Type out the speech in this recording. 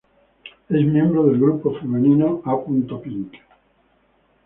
Es miembro del grupo femenino A Pink.